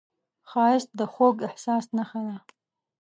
ښایست د خوږ احساس نښه ده